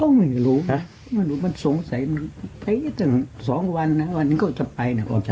ก็ไม่รู้มันสงสัยไปจน๒วันนะวันนี้ก็จะไปนะ